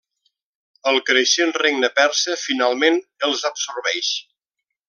El creixent regne persa finalment els absorbeix.